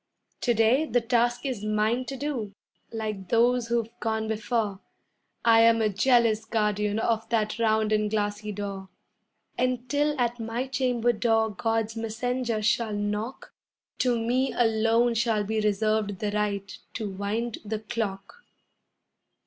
To day the task is mine to do, like those who've gone before I am a jealous guardian of that round and glassy door, And 'til at my chamber door God's messenger shall knock To me alone shall be reserved the right to wind the clock.